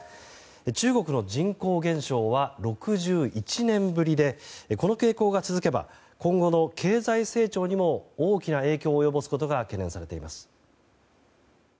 中国の人口減少は６１年ぶりでこの傾向が続けば今後の経済成長にも大きな影響を及ぼすことが懸念されています。